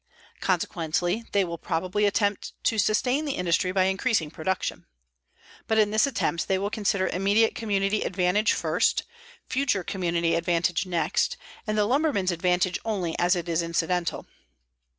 Consequently they will probably attempt to sustain the industry by increasing production. But in this attempt they will consider immediate community advantage first, future community advantage next, and the lumberman's advantage only as it is incidental.